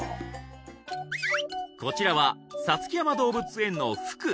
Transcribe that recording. こちらは五月山動物園のフク